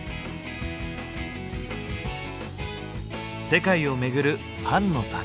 世界を巡るパンの旅。